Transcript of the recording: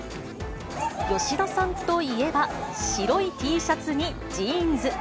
吉田さんといえば、白いＴシャツにジーンズ。